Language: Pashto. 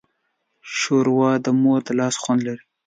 ښوروا د مور د لاس خوند لري.